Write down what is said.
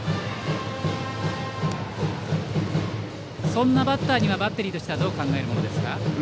そんなバッターにはバッテリーとしてはどう考えるものですか？